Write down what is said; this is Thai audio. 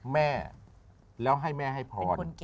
แม่แล้วให้แม่ให้พร